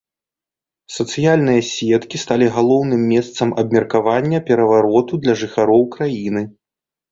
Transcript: Сацыяльныя сеткі сталі галоўным месца абмеркавання перавароту для жыхароў краіны.